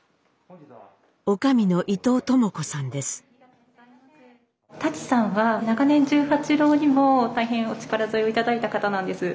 女将の舘さんは長年十八楼にも大変お力添えを頂いた方なんです。